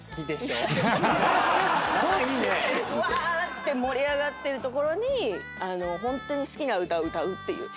「うわーって盛り上がってるところにホントに好きな歌歌うっていう」